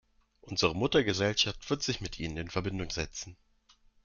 Unsere Muttergesellschaft wird sich mit Ihnen in Verbindung setzen.